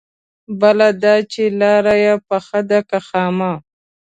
بله دا چې لاره يې پخه ده که خامه؟